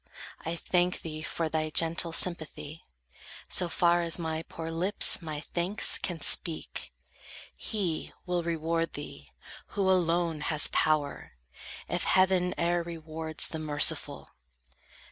I thank thee for thy gentle sympathy, So far as my poor lips my thanks can speak. He will reward thee, who alone has power, If heaven e'er rewards the merciful."